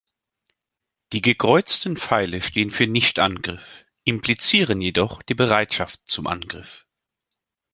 Die gekreuzten Pfeile stehen für Nichtangriff, implizieren jedoch die Bereitschaft zum Angriff.